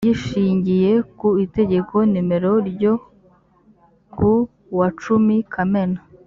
gishingiye ku itegeko nimero ryo ku wa cumi kamena